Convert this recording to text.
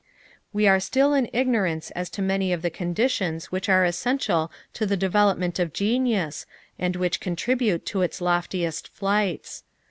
We are still in ignorance as to many of the conditions which are essential to the development of genius and which contribute to its loftiest flights.